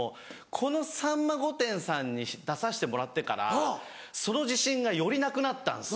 この『さんま御殿‼』さんに出させてもらってからその自信がよりなくなったんですよ。